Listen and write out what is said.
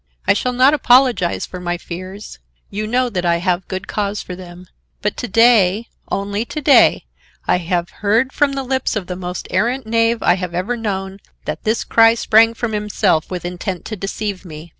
I shall not apologize for my fears; you know that I have good cause for them, but to day, only to day, I have heard from the lips of the most arrant knave I have ever known, that this cry sprang from himself with intent to deceive me.